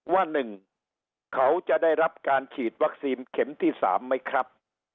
ว่า๑เขาจะได้รับการฉีดวัคซีนเข็มที่๓ไหมครับ